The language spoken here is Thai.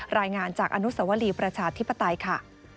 รายงานจากอนุสวรีประชาธิปไตยค่ะ